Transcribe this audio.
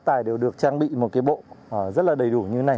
các bác tài đều được trang bị một cái bộ rất là đầy đủ như thế này